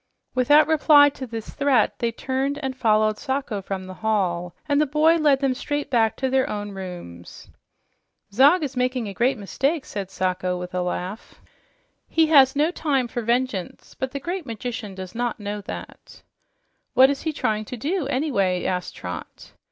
Without reply to this threat, they turned and followed Sacho from the hall, and the boy led them straight back to their own rooms. "Zog is making a great mistake," said Sacho with a laugh. "He has no time for vengeance, but the great magician does not know that." "What is he trying to do, anyway?" asked Trot.